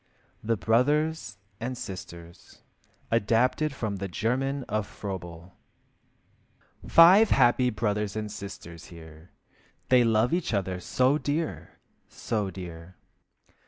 THE BROTHERS AND SISTERS (Adapted from the German of Froebel) Five happy brothers and sisters here, They love each other so dear, so dear!